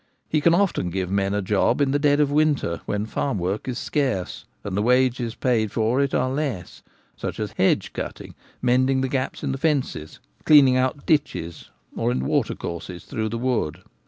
He can often give men a job in the dead of winter, when farm work is scarce and the wages paid for it are less ; such as hedge cutting, mending the gaps in the fences, cleaning out ditches or the watercourses through the wood.